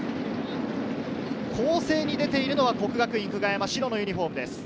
攻勢に出ているのは國學院久我山、白のユニホームです。